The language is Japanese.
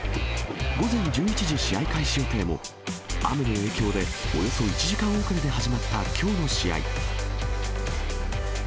午前１１時試合開始予定も、雨の影響で、およそ１時間遅れで始まったきょうの試合。